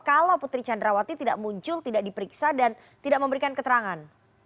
kalau putri candrawati tidak muncul tidak diperiksa dan tidak memberikan keterangan